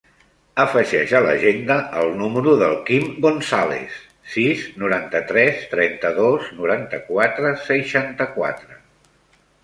Afegeix a l'agenda el número del Quim Gonzalez: sis, noranta-tres, trenta-dos, noranta-quatre, seixanta-quatre.